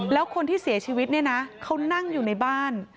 แล้วคนที่เสียชีวิตเนี่ยนะเขานั่งอยู่ในบ้าน